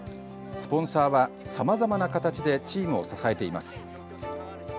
スポンサーは、さまざまな形でチームを支えています。